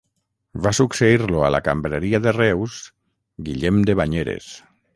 Va succeir-lo a la cambreria de Reus Guillem de Banyeres.